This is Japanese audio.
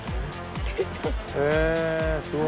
へえすごい。